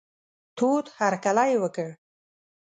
تود هرکلی یې وکړ.